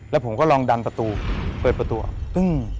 แล้วผมก็ลองดันประตูเปิดประตู